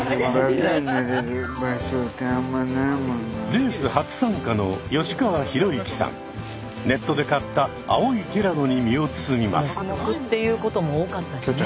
レース初参加のネットで買った青いティラノに身を包みます。